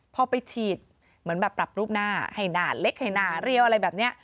พอไปฉีดเหมือนแบบปรับรูปหน้าให้หน้าเล็กให้หน้าเรียวอะไรแบบนี้